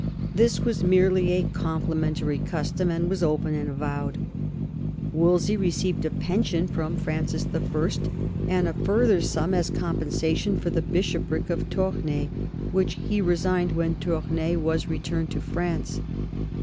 This was merely a complimentary custom, and was open and avowed. Wolsey received a pension from Francis L, and a further sum as compensation for the bishopric of Toumai, which he resigned when Toumai was returned to France.